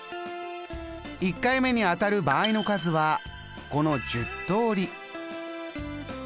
１回目に当たる場合の数はこの１０通り。